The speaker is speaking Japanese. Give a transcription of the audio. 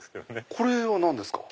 これは何ですか？